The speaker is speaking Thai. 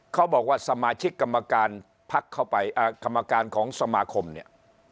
เขาบอกว่าสมาชิกกรรมการพักเข้าไปกรรมการของสมาคมเนี่ย